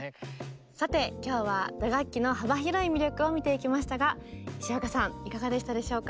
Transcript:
さて今日は打楽器の幅広い魅力を見ていきましたが石若さんいかがでしたでしょうか？